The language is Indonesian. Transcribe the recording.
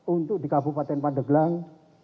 untuk di kabupaten pandeglang